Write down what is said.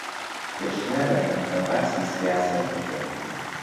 پێشنیار دەکەم کە باسی سیاسەت بکەین.